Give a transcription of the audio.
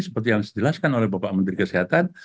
seperti yang dijelaskan oleh bapak menteri kesehatan